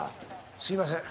すいません。